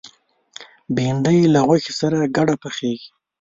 بېنډۍ له غوښې سره ګډه پخېږي